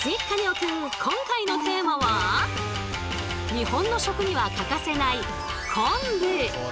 日本の食には欠かせない昆布！